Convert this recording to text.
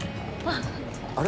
あれ？